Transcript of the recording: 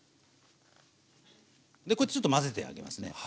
ちょっと混ぜてあげますね。